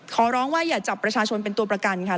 ขอร้องว่าอย่าจับประชาชนเป็นตัวประกันค่ะ